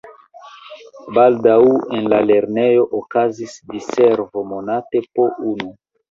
Baldaŭ en la lernejo okazis diservo monate po unu.